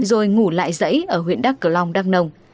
rồi ngủ lại giấy ở huyện đắc cửa long đắk nông